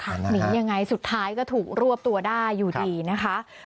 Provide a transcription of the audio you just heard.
หนียังไงสุดท้ายก็ถูกรวบตัวได้อยู่ดีนะคะ